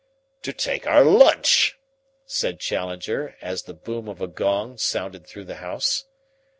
"To take our lunch," said Challenger as the boom of a gong sounded through the house.